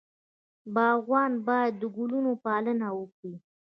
باغوان باید د ګلونو پالنه وکړي.